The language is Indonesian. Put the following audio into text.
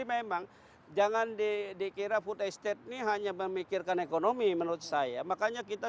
memang jangan di dikira food estate ini hanya memikirkan ekonomi menurut saya makanya kita